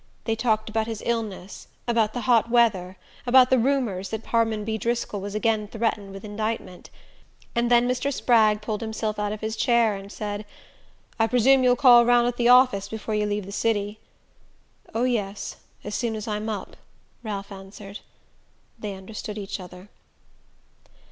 They talked about his illness, about the hot weather, about the rumours that Harmon B. Driscoll was again threatened with indictment; and then Mr. Spragg pulled himself out of his chair and said: "I presume you'll call round at the office before you leave the city." "Oh, yes: as soon as I'm up," Ralph answered. They understood each other.